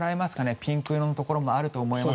ピンク色のところもあると思います。